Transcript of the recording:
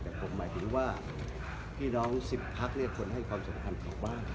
แต่ผมหมายถึงว่าพี่น้อง๑๐พักควรให้ความสำคัญของบ้าน